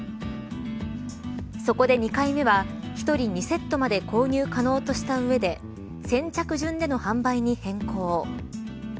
そこで２回目は、１人２セットまで購入可能とした上で先着順での販売に変更。